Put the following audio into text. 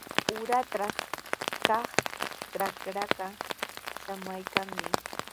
Uratraw kaq trakraaqa samaykanmi.